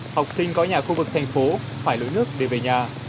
học sinh có nhà khu vực thành phố phải lấy nước để về nhà